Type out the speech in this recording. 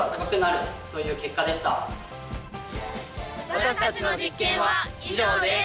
私たちの実験は以上です！